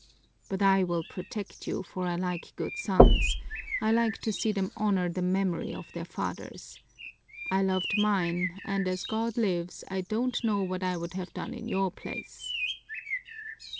But I will protect you, for I like good sons, I like to see them honor the memory of their fathers. I loved mine, and, as God lives, I don't know what I would have done in your place!"